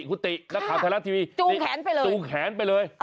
คุณตินักข่าวไทยรัฐทีวีจูงแขนไปเลยจูงแขนไปเลย